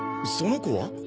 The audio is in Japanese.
その子は？